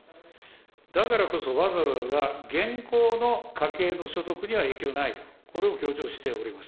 だからこそわざわざ現行の家計の所得には影響ないと、これを強調しております。